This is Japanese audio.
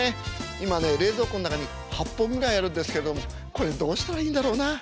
今ね冷蔵庫の中に８本ぐらいあるんですけれどもこれどうしたらいいんだろうな。